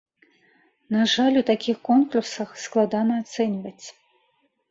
На жаль, у такіх конкурсах складана ацэньваць.